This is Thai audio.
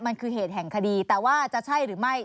มันคือเหตุแห่งคดีแต่ว่าจะใช่หรือไม่